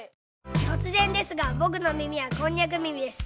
とつぜんですがぼくの耳はこんにゃく耳です。